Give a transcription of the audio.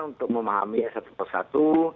untuk memahaminya satu persatu